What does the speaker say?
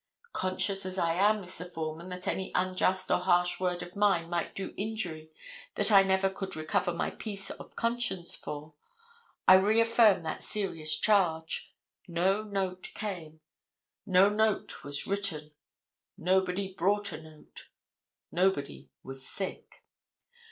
Conscious as I am, Mr. Foreman, that any unjust or harsh word of mine might do injury that I never could recover my peace of conscience for, I reaffirm that serious charge. No note came; no note was written; nobody brought a note; nobody was sick.